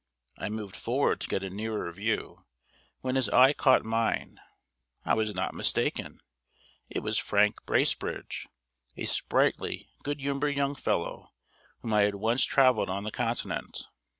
I moved forward to get a nearer view, when his eye caught mine. I was not mistaken; it was Frank Bracebridge, a sprightly good humoured young fellow, with whom I had once travelled on the Continent.